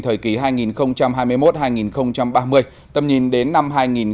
thời kỳ hai nghìn hai mươi một hai nghìn ba mươi tầm nhìn đến năm hai nghìn năm mươi